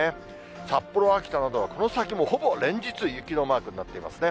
札幌、秋田などは、この先もほぼ連日、雪のマークになっていますね。